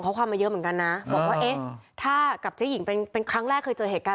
แต่เราตั้งใจว่า